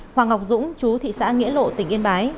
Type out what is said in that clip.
hoàng ngọc dũng chú thị xã nghĩa lộ tỉnh yên bái